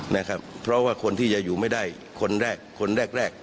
นะครับเพราะว่าคนที่จะอยู่ไม่ได้คนแรกคนแรกแรก